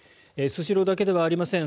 スシローだけではありません。